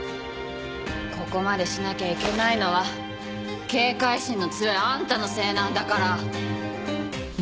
ここまでしなきゃいけないのは警戒心の強いあんたのせいなんだから！